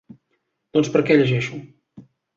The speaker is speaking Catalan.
Doncs perquè llegeixo.